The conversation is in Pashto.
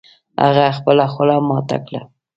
هغه خپله خوله ماته کړه